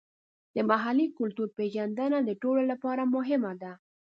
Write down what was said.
د محلي کلتور پیژندنه د ټولو لپاره مهمه ده.